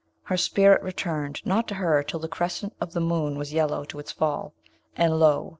Her spirit returned not to her till the crescent of the moon was yellow to its fall; and lo!